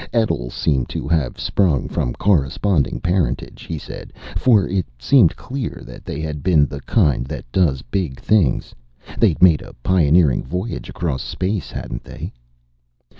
Etl seemed to have sprung from corresponding parentage, he said, for it seemed clear that they had been of the kind that does big things. They'd made a pioneering voyage across space, hadn't they?